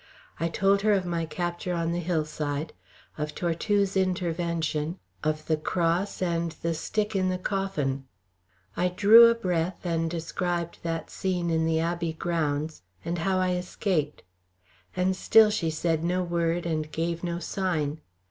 I told her of my capture on the hillside, of Tortue's intervention, of the Cross and the stick in the coffin. I drew a breath and described that scene in the Abbey grounds, and how I escaped; and still she said no word and gave no sign.